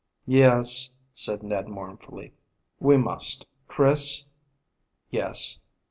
"Yes," said Ned mournfully. "We must. Chris." "Yes?"